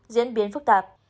diễn biến phức tạp